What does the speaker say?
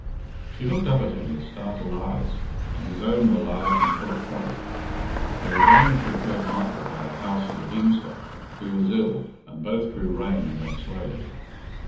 She looked up at him with startled eyes, and his own were large and full of trouble. They were going through Kirk Michael by the house of the Deemster, who was ill, and both drew rein and went slowly.